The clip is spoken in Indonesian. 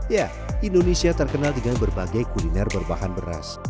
ya indonesia terkenal dengan berbagai kuliner berbahan beras